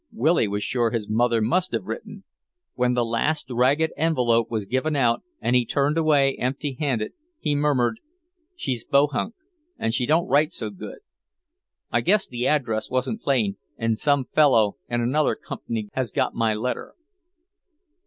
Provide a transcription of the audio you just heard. Willy was sure his mother must have written. When the last ragged envelope was given out and he turned away empty handed, he murmured, "She's Bohunk, and she don't write so good. I guess the address wasn't plain, and some fellow in another comp'ny has got my letter."